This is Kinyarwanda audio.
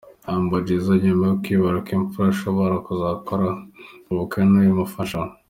Humble Jizzo nyuma yo kwibaruka imfura ashobora kuzakora ubukwe n'uyu mufasha we.